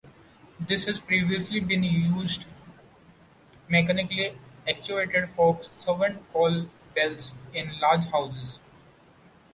This had previously been used, mechanically actuated, for servant-call bells in large houses.